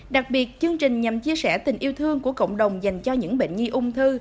đặc biệt chương trình nhằm chia sẻ tình yêu thương của cộng đồng dành cho những bệnh nhi ung thư